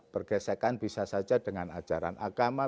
bergesekan bisa saja dengan ajaran agama